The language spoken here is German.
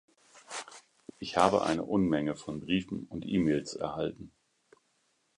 Ich habe eine Unmenge von Briefen und E-Mails erhalten.